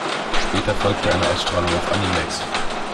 Später folgte eine Ausstrahlung auf Animax.